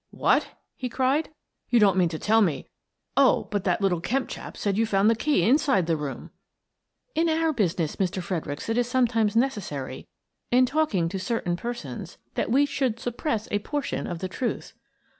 "What?" he cried. "You don't mean to tell me — Oh, but that little Kemp chap said you found the key inside the room !"" In our business, Mr. Fredericks, it is sometimes necessary, in talking to certain persons, that we should suppress a portion of the truth."